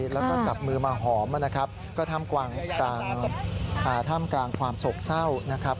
แล้วก็จับมือมาหอมอ่ะนะครับก็ทำกลางกลางอ่าทำกลางความสกเศร้านะครับ